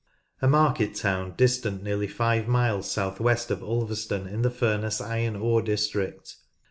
A market town distant nearly five miles south west of Ulverston, in the Furness iron ore district.